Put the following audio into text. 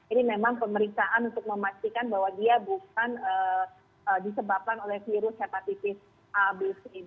ini memang pemeriksaan untuk memastikan bahwa dia bukan disebabkan oleh virus hepatitis a b c